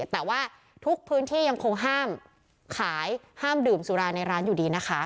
แต่ว่าทุกพื้นที่ยังคงห้ามขายห้ามดื่มสุราในร้านอยู่ดีนะคะ